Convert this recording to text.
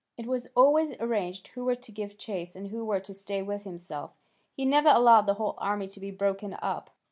It was always arranged who were to give chase and who were to stay with himself: he never allowed the whole army to be broken up.